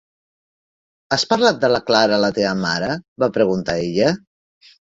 "Has parlat de la Clara a la teva mare?", va preguntar ella.